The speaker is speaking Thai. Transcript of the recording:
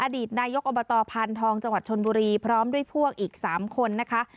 อดีตนายกอบตพานทองจังหวัดชนบุรีพร้อมด้วยพวกอีก๓คนนะคะ